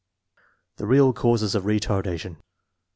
The real cause of retardation.